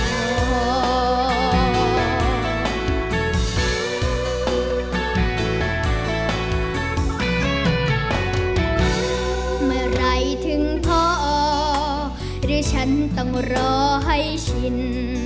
เมื่อไหร่ถึงพอหรือฉันต้องรอให้ชิน